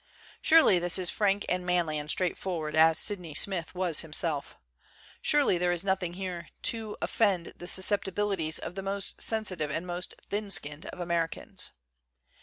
Surely this is frank and manly and straightforward, as Sydney Smith was him 93 THE CENTENARY OF A QUESTION Surely there is nothing here to offend the suscep tibilities of the most sensitive and most thin skinned of Americans.